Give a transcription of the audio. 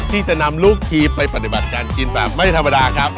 ที่จะนำลูกทีมไปปฏิบัติการกินแบบไม่ธรรมดาครับ